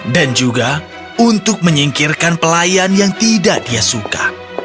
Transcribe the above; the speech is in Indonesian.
dan juga untuk menyingkirkan pelayan yang tidak dia suka